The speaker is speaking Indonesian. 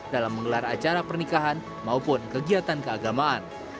dalam menggelar acara pernikahan maupun kegiatan keagamaan